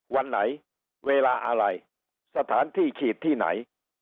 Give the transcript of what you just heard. วันไหนเวลาอะไรสถานที่ฉีดที่ไหน